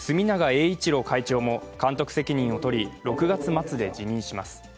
栄一郎会長も監督責任を取り、６月末で辞任します。